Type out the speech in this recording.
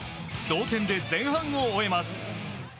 同点で前半を終えます。